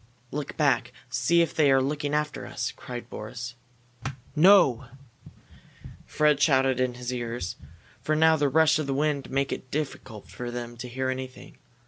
"Look back! See if they are looking after us!" cried Boris. "No!" Fred shouted in his ear, for now the rush of the wind made it difficult for them to hear anything.